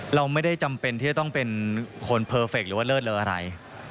เราไม่ได้จำเป็นที่จะต้องเป็นคนเพอร์เฟคหรือว่าเลิศเลออะไร